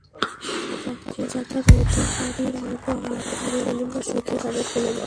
অক্ষয় যাত্রার অধিকারীর মতো হাত নাড়িয়া বলিল, সখী, তবে খুলে বলো!